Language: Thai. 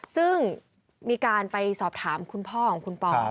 ซึ่งมีการไปสอบถามคุณพ่อของคุณปอ